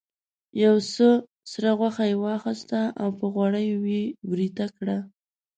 یو څه سره غوښه یې واخیسته او په غوړیو یې ویریته کړه.